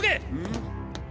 ん？